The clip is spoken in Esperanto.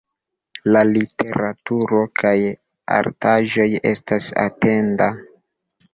La literaturo kaj artaĵoj estas etenda.